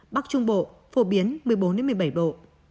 bắc trung bộ phổ biến một mươi bốn một mươi bảy độ